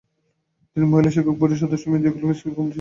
তিনি মহিলা শিক্ষক বোর্ডের সদস্য ও মিউজিক্যাল স্কুল কমিটির সদস্য ছিলেন।